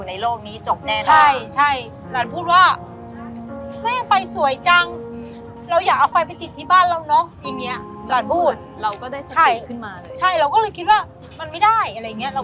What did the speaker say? ที่นี่ที่ไหนอะพี่สะพานพระนางก้าวมาทำไมเนี้ย